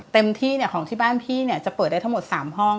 เต็มที่ของที่บ้านพี่เนี่ยจะเปิดได้ทั้งหมด๓ห้อง